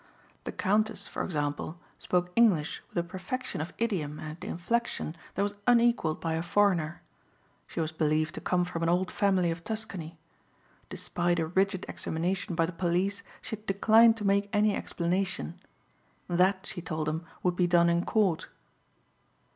"The Countess," for example, spoke English with a perfection of idiom and inflection that was unequaled by a foreigner. She was believed to come from an old family of Tuscany. Despite a rigid examination by the police she had declined to make any explanation. That, she told them, would be done in court.